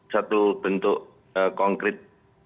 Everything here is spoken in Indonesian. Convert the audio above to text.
satu bentuk konkret